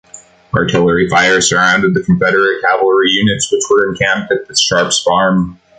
Artillery fire routed the Confederate cavalry units, which were encamped at the Sharp's farm.